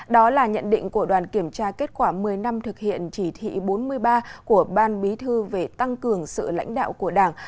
đó là nhận định của đoàn kiểm tra kết quả một mươi năm thực hiện chỉ thị bốn mươi ba của ban bí thư về tăng cường sự lãnh đạo của đảng